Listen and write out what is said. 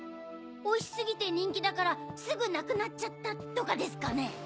おいし過ぎて人気だからすぐなくなっちゃったとかですかね？